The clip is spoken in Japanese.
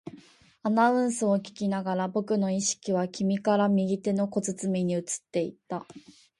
アナウンスを聞きながら、僕の意識は君から右手の小包に移っていった